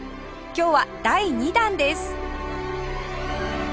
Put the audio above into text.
今日は第２弾です